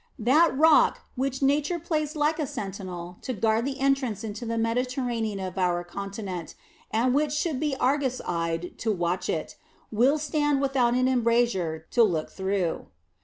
That rock, which Nature placed like a sentinel to guard the entrance into the Mediterranean of our continent, and which should be Argus eyed to watch it, will stand without an embrasure to look through.